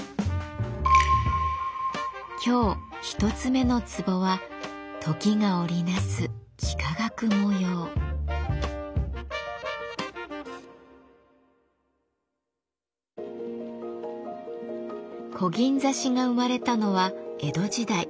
今日１つ目の壺はこぎん刺しが生まれたのは江戸時代。